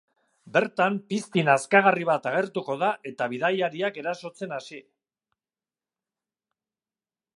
Bertan, pizti nazkagarri bat agertuko da eta bidaiariak erasotzen hasi.